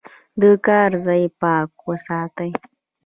د کار ځای پاک وساتئ.